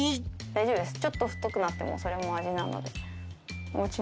大丈夫ですちょっと太くなってもそれも味なので。